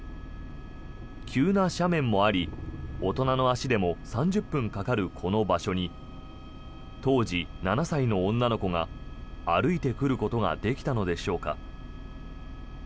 急な斜面もあり、大人の足でも３０分かかるこの場所に当時、７歳の女の子が歩いてくることができたのでしょうか。